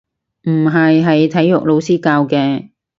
唔係，係體育老師教嘅